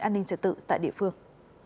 an ninh trợ tự tại địa phương